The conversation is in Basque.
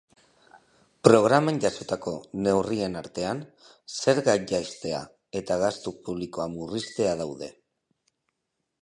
Programan jasotako neurrien artean, zergak jaistea eta gastu publikoa murriztea daude.